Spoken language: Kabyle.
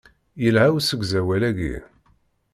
Yelha usegzawal-agi.